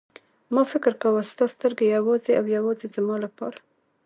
ما فکر کاوه ستا سترګې یوازې او یوازې زما لپاره.